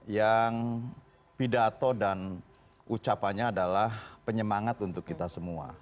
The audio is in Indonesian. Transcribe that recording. yang pidato dan ucapannya adalah penyemangat untuk kita semua